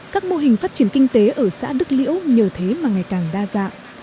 các mô hình phát triển kinh tế ở xã đức liễu nhờ thế mà ngày càng đa dạng